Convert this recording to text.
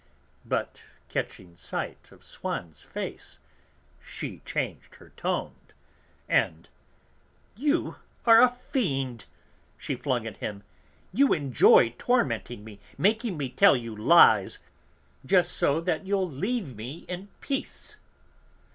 But, catching sight of Swann's face, she changed her tone, and: "You are a fiend!" she flung at him, "you enjoy tormenting me, making me tell you lies, just so that you'll leave me in peace."